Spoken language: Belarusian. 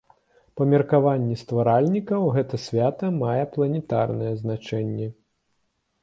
Па меркаванні стваральнікаў, гэта свята мае планетарнае значэнне.